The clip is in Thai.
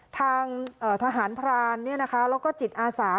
ทางเอ่อทหารพรานเนี่ยนะคะแล้วก็จิตอาสา